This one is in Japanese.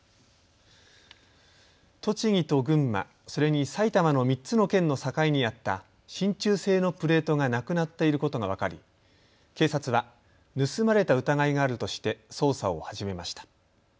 栃木と群馬、それに埼玉の３つの県の境にあったしんちゅう製のプレートがなくなっていることが分かり警察は盗まれた疑いがあるとして捜査を始めました。